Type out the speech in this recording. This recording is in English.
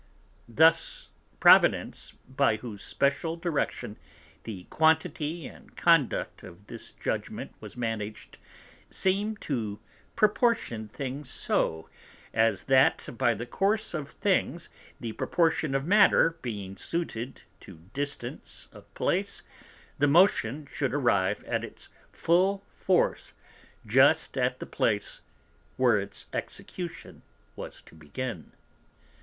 Thus Providence, by whose special Direction the Quantity and Conduct of this Judgment was manag'd, seem'd to proportion things so, as that by the course of things the proportion of Matter being suited to Distance of Place, the Motion shou'd arrive at its full Force just at the Place where its Execution was to begin.